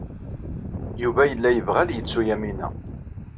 Yuba yella yebɣa ad yettu Yamina.